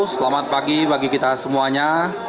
selamat pagi bagi kita semuanya